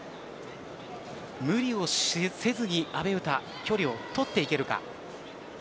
無理をせずに阿部詩距離を取っていけるか。